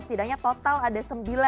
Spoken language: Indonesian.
setidaknya total ada sembilan